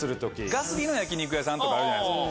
ガス火の焼き肉屋さんとかあるじゃないですか。